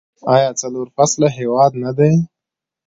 آیا څلور فصله هیواد نه دی؟